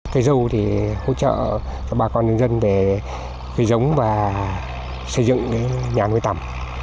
cây dâu thì hỗ trợ cho bà con nhân dân về cây giống và xây dựng nhà nuôi tầm